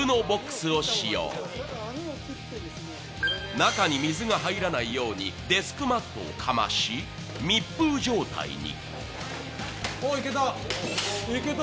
中に水が入らないようにデスクマットをかまし、密封状態に。